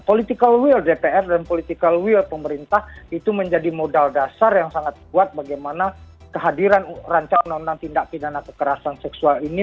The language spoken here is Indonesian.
political will dpr dan political will pemerintah itu menjadi modal dasar yang sangat kuat bagaimana kehadiran rancangan undang undang tindak pidana kekerasan seksual ini